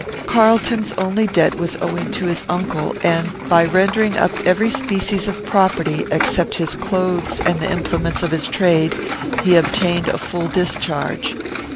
Carlton's only debt was owing to his uncle, and, by rendering up every species of property, except his clothes and the implements of his trade, he obtained a full discharge.